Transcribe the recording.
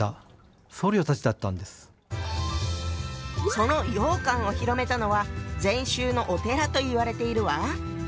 その羊羹を広めたのは禅宗のお寺といわれているわ。